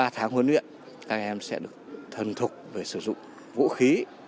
ba tháng huấn luyện các em sẽ được thần thục về sử dụng vũ khí